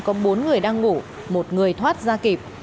có bốn người đang ngủ một người thoát ra kịp